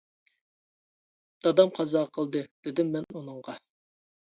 «دادام قازا قىلدى» دېدىم مەن ئۇنىڭغا.